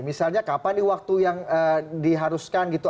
misalnya kapan nih waktu yang diharuskan gitu